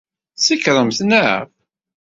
Tsekṛemt neɣ?